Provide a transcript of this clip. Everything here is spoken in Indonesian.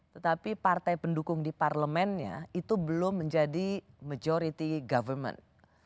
tetapi partai pendukung di parlemennya itu belum menjadi majority government